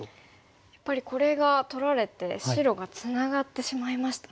やっぱりこれが取られて白がツナがってしまいましたね。